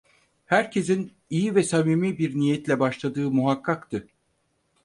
Herkesin iyi ve samimi bir niyetle başladığı muhakkaktı.